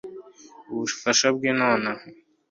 ubufasha bwe noneho bumuhagarika kuri buri ntambwe